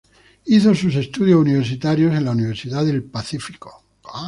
Hizo sus estudios universitarios en la Universidad del Pacífico.